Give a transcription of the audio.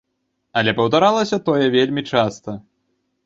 Але паўтаралася тое вельмі часта.